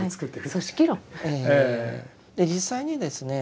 実際にですね